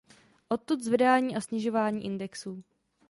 Odtud zvedání a snižování indexů.